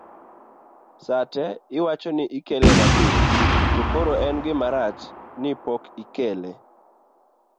to sate iwacho ni ikele mapiyo to koro en gima rach ni pok ikele